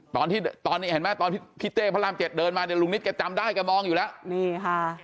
ตอนพี่เต้พระรามเจ็ดเดินมาเนี่ยลุงนิดแกจำได้แกมองอยู่ละนี่ค่ะ